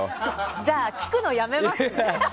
じゃあ、聞くのやめますね。